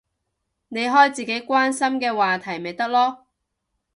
你開自己關心嘅話題咪得囉